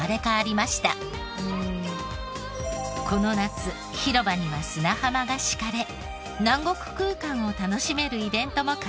この夏広場には砂浜が敷かれ南国空間を楽しめるイベントも開催中。